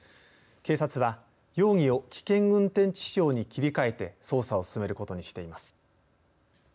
警察は容疑を危険運転致死傷に切り替えて捜査を進めることにしています。